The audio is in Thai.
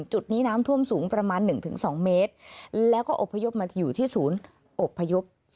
จุดนี้น้ำท่วมสูงประมาณ๑๒เมตรแล้วก็อบพยพมาอยู่ที่ศูนย์อบพยพ